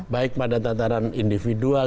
baik pada tantaran individual